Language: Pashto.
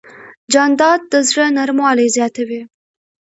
جانداد د زړه نرموالی زیاتوي.